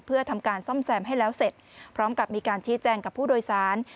เพื่อทำการซ่อมแซมให้แล้วเสร็จพร้อมกับมีการชี้แจงกับผู้โดยสาร